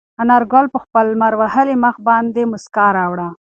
انارګل په خپل لمر وهلي مخ باندې موسکا راوړه.